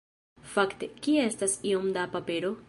Fakte, kie estas iom da papero?